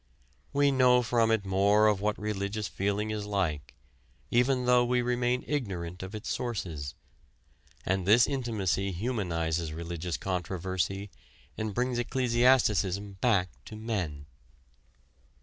We know from it more of what religious feeling is like, even though we remain ignorant of its sources. And this intimacy humanizes religious controversy and brings ecclesiasticism back to men.